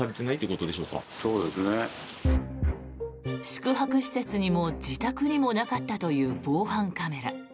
宿泊施設にも自宅にもなかったという防犯カメラ。